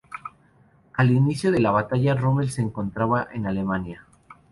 Al inicio de la batalla Rommel se encontraba en Alemania.